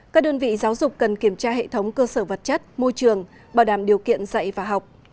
các đơn vị giáo dục cần kiểm tra hệ thống cơ sở vật chất môi trường bảo đảm điều kiện dạy và học